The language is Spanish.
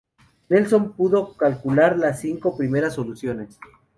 Nelson pudo calcular las cinco primeras soluciones.